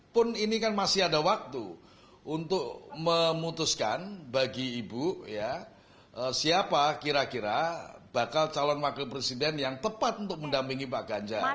pun ini kan masih ada waktu untuk memutuskan bagi ibu ya siapa kira kira bakal calon wakil presiden yang tepat untuk mendampingi pak ganjar